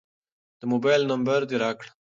د موبایل نمبر دې راکړه.